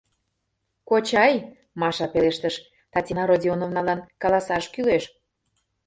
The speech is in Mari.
— Кочай, — Маша пелештыш, — Татьяна Родионовналан каласаш кӱлеш...